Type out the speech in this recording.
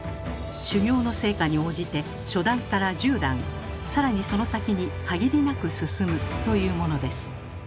修行の成果に応じて初段から十段更にその先に限りなく進むというものです。